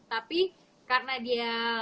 tapi karena dia